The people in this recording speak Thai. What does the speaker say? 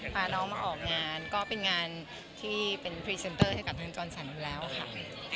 พาน้องมาออกงานก็เป็นงานที่เป็นพรีเซนเตอร์ให้กับทางจรสันอยู่แล้วค่ะ